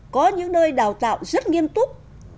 có những nơi đào tạo rất nghiêm túc